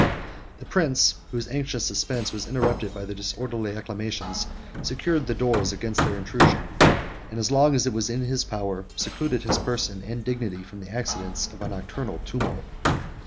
The prince, whose anxious suspense was interrupted by their disorderly acclamations, secured the doors against their intrusion; and as long as it was in his power, secluded his person and dignity from the accidents of a nocturnal tumult.